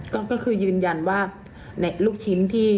ก็คือยืนยันว่าในลูกชิ้นที่